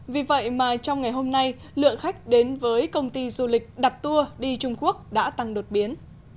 vì vậy mà trong ngày hôm nay lượng khách đến với công ty du lịch đặt tour đi trung quốc đã tăng đột biến